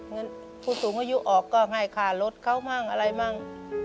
เงินผู้สูงอายุออกก็ง่ายค่าลดเขาบ้างอะไรบ้าง